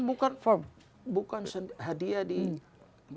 bukan bukan bukan hadiah di masa senjanya ibu